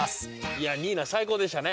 いやニーナ最高でしたね。